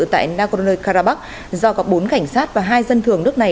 tại nagorno karabakh do có bốn cảnh sát và hai dân thường nước này